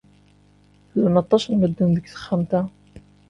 Llan aṭas n medden deg texxamt-a.